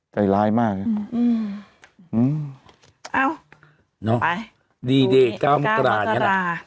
ใจล้ายมากอืมอ้อวไปดีเดตกล้ามุฒรากันเนี้ยเหรอะ